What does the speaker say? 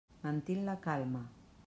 Mantín la calma.